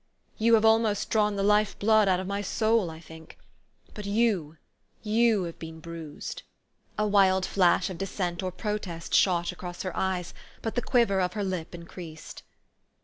You have almost drawn the life blood out of my soul, I think ; but you you have been bruised." A wild flash of dissent or protest shot across her eyes ; but the quiver of her lip increased.